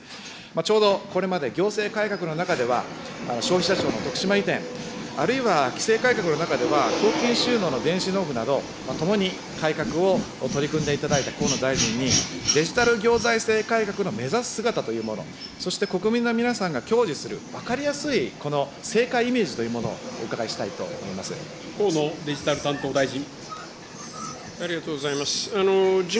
ちょうどこれまで行政改革の中では消費者庁の徳島移転、あるいは規制改革の中では、公金収納の電子納付など、ともに改革を取り組んでいただいた河野大臣に、デジタル行財政改革の目指す姿というもの、そして国民の皆さんが享受する、分かりやすいこの政界イメージというものをお伺いしたいと思いま河野デジタル担当大臣。